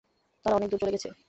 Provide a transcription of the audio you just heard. তারা অনেক দূর চলে গেছে।